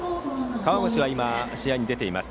河越は試合に出ています。